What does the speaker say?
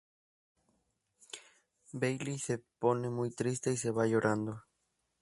Bailey se pone muy triste y se va llorando.